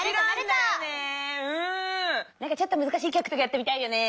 なんかちょっとむずかしいきょくとかやってみたいよね。